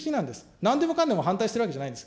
何でもかんでも反対しているわけじゃないんです。